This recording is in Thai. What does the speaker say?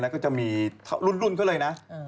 ก็จะมีรุ่นเขาเลยนะ